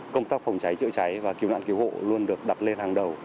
công tác phòng cháy chữa cháy và cứu nạn cứu hộ luôn được đặt lên hàng đầu